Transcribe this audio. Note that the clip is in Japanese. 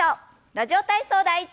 「ラジオ体操第１」。